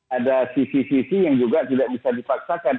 ada sisi sisi yang juga tidak bisa dipaksakan